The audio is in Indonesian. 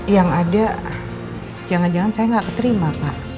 yang ada jangan jangan saya nggak keterima pak